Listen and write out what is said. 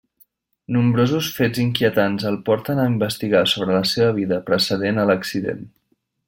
Nombrosos fets inquietants el porten a investigar sobre la seva vida precedent a l'accident.